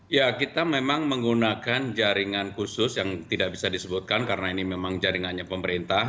ya kita memang menggunakan jaringan khusus yang tidak bisa disebutkan karena ini memang jaringannya pemerintah